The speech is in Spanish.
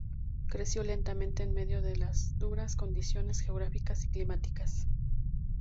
Creció lentamente en medio de las duras condiciones geográficas y climáticas.